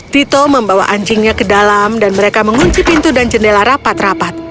tito membawa anjingnya ke dalam dan mereka mengunci pintu dan jendela rapat rapat